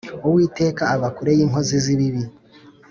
uwiteka aba kure y’inkozi z’ibibi